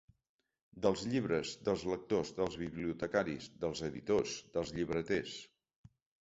Dels llibres, dels lectors, dels bibliotecaris, dels editors, dels llibreters.